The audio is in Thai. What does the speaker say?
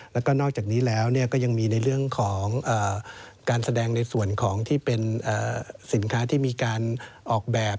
แล้วก็นอกจากนี้แล้วก็ยังมีในเรื่องของการแสดงในส่วนของที่เป็นสินค้าที่มีการออกแบบ